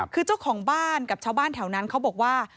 คือเจ้าของบ้านกับชาวบ้านแถวนั้นเขาบอกว่า